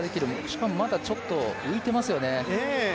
しかもまだちょっと浮いてますよね。